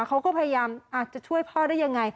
เขาก็พยายามอาจจะช่วยพ่อได้ยังไง